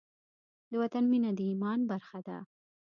د وطن مینه د ایمان برخه ده.